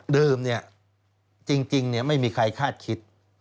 เดิมเนี่ยจริงเนี่ยไม่มีใครคาดคิด